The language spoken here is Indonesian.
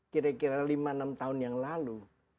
kira kira lima enam tahun yang lalu